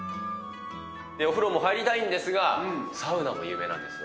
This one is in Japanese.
お風呂も入りたいんですが、サウナも有名なんですよ。